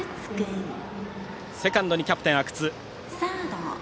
セカンドにキャプテン阿久津。